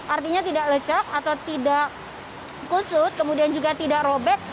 artinya tidak lecak atau tidak kusut kemudian juga tidak robek